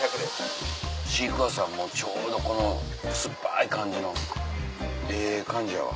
シークァーサーもちょうどこの酸っぱい感じのええ感じやわ。